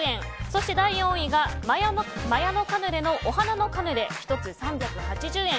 そして第４位がマヤノカヌレのお花のカヌレ１つ３８０円。